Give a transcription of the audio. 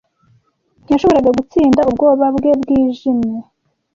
Ntiyashoboraga gutsinda ubwoba bwe bwijimye.